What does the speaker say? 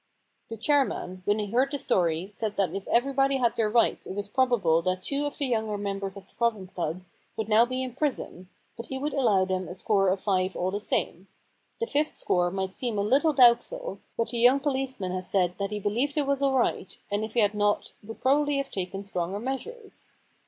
The chairman, when he had heard the story, said that if everybody had their rights it was probable that two of the younger mem bers of the Problem Club would now be in prison, but he would allow them a score of five all the same. The fifth score might seem a little doubtful, but the young policeman has said that he believed it was all right, and if he had not would probably have taken stronger measures.